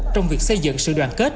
trong việc xây dựng sự đoàn kết